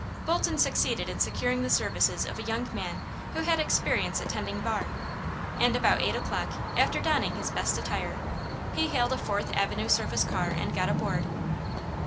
Bolton succeeded in securing the services of a young man who had experience at tending bar, and about eight o'clock, after donning his best attire, he hailed a Fourth Avenue surface car and got aboard.